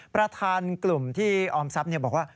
ประธานกลุ่มที่ออมทรัพย์บอกว่า